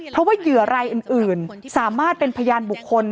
เพราะว่าเหยื่อรายอื่นสามารถเป็นพยานบุคคล